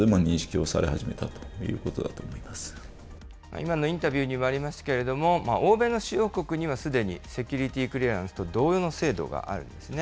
今のインタビューにもありましたけれども、欧米の主要国には、すでにセキュリティークリアランスと同様の制度があるんですね。